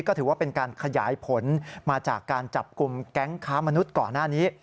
ก็ถือว่าเป็นการขยายผลมาจากการจับกลุ่มแก๊งค้ามนุษย์ก่อนหน้านี้